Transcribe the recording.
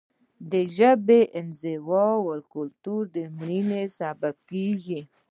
د ژبې انزوا د کلتور د مړینې سبب کیږي.